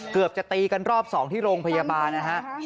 เกือบจะตีกันรอบ๒ที่โรงพยาบาลนะฮะ